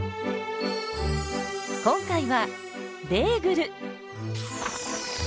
今回はベーグル！